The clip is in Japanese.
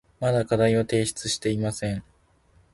まだ課題を提出していません。